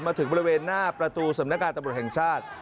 มาถึงบริเวณหน้าประตูสำนักการตำรวจแห่งชาติ